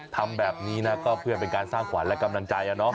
ทำแบบนี้นะก็เพื่อเป็นการสร้างขวัญและกำลังใจ